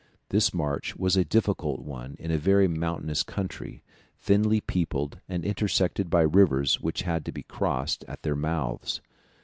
This march was a difficult one in a very mountainous country, thinly peopled, and intersected by rivers which had to be crossed at their mouths.